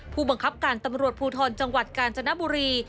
ผู้บังคับการตำรวจภูทรจังหวัดกาญจนบุรี